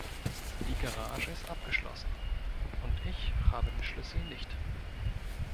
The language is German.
Die Garage ist abgeschlossen; und ich habe den Schlüssel nicht.